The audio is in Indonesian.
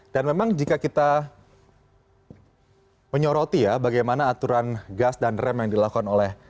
dan memang jika kita menyoroti ya bagaimana aturan gas dan rem yang dilakukan oleh